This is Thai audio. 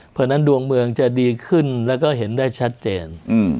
เพราะฉะนั้นดวงเมืองจะดีขึ้นแล้วก็เห็นได้ชัดเจน